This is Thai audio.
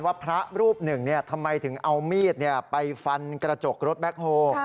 พระรูปหนึ่งทำไมถึงเอามีดไปฟันกระจกรถแบ็คโฮ